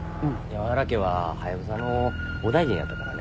山原家はハヤブサのお大尽やったからね